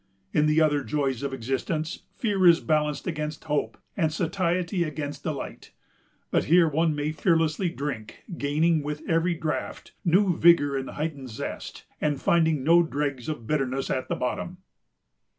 In the other joys of existence, fear is balanced against hope, and satiety against delight; but here one may fearlessly drink, gaining, with every draught, new vigor and a heightened zest, and finding no dregs of bitterness at the bottom.